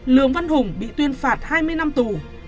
lường văn hùng bị tuyên phạt hai mươi năm tù